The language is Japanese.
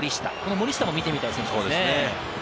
森下も見てみたい選手ですね。